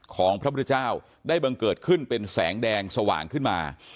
ของพระพุทธเจ้าได้บังเกิดขึ้นเป็นแสงแดงสว่างขึ้นมา